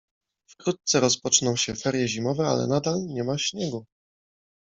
Wkrótce rozpoczną się ferie zimowe ale nadal nie ma śniegu